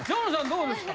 どうですか？